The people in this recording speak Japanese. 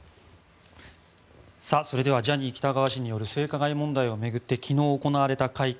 それではジャニー喜多川氏による性加害問題を巡って昨日行われた会見。